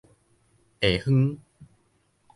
下昏